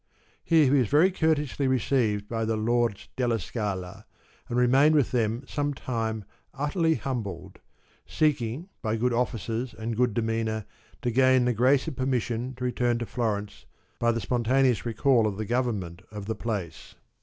Here he was very courteously received by the Lords della Scala and remained with them some time utterly humbled, seeking by good offices and good demeanour to gain the grace of permission to return to Florence by the spontaneous recall of the government of the place.